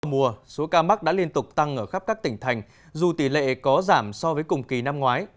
trong mùa số ca mắc đã liên tục tăng ở khắp các tỉnh thành dù tỷ lệ có giảm so với cùng kỳ năm ngoái